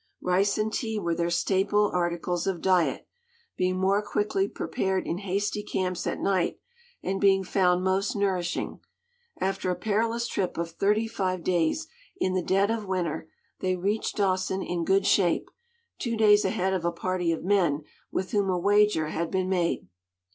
Rice and tea were their staple articles of diet, being more quickly prepared in hasty camps at night, and being found most nourishing. After a perilous trip of thirty five days in the dead of winter, they reached Dawson in good shape, two days ahead of a party of men with whom a wager had been made.